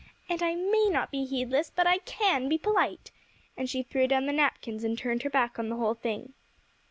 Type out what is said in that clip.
"And I may be heedless, but I can be polite," and she threw down the napkins, and turned her back on the whole thing.